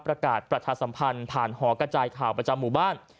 ประกาศประชาสัมพันธ์ผ่านหอกระจายข่าวประจำหมู่บ้าน